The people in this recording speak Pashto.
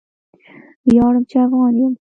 ویاړم چې افغان یم!